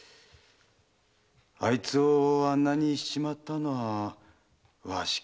あいつをあんなにしちまったのはわしかもしれんな。